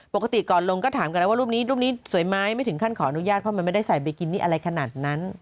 ปกติก่อนลงก็ถามกันแล้วว่ารูปนี้รูปนี้สวยไหมไม่ถึงขั้นขออนุญาตเพราะมันไม่ได้ใส่บิกินี่อะไรขนาดนั้น